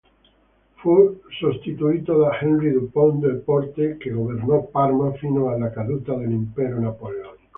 Fu sostituito da Henri Dupont-Delporte, che governò Parma fino alla caduta dell'impero napoleonico.